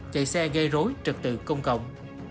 chạy xe gây rối trực tự công cộng